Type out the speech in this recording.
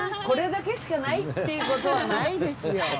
これだけしかないっていう事はないですよ。